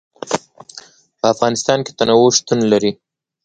په افغانستان کې تنوع شتون لري.